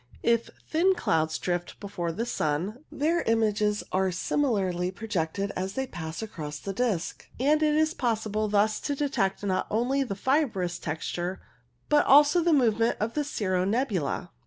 If thin clouds drift before the sun, their images are similarly projected as they pass across its disc, and it is possible thus to detect not only the fibrous texture but also the movement of cirro nebula.